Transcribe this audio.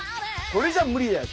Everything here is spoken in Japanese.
これじゃ無理だよ。